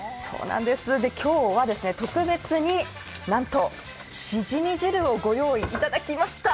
今日は、特別になんと、しじみ汁をご用意いただきました。